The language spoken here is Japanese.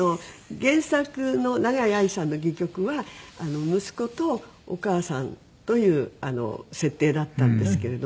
原作の永井愛さんの戯曲は息子とお母さんという設定だったんですけれども。